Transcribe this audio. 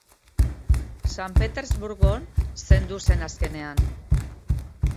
San Petersburgon zendu zen azkenean.